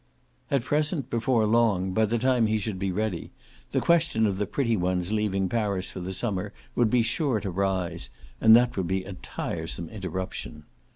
At present, before long by the time he should be ready the question of the pretty one's leaving Paris for the summer would be sure to rise, and that would be a tiresome interruption.